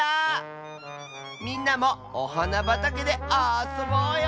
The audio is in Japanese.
みんなもおはなばたけであそぼうよ。